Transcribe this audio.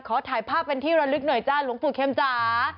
ขอถ่ายภาพเป็นที่ระลึกหน่อยจ้าหลวงปู่เข็มจ๋า